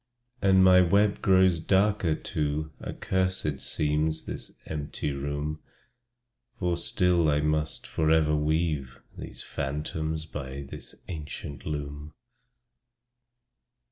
And as my web grows darker too, Accursed seems this empty room; For still I must forever weave These phantoms by this ancient loom.